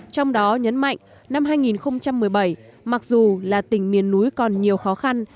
trong đó nhấn mạnh năm hai nghìn một mươi bảy mặc dù là tỉnh miền núi còn nhiều khó khăn